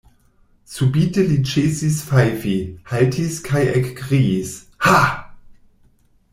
Subite li ĉesis fajfi, haltis kaj ekkriis: ha!